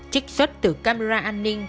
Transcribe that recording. trích xuất từ camera an ninh